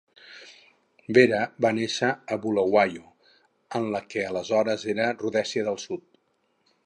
Vera va néixer a Bulawayo, en la que aleshores era Rhodèsia del Sud.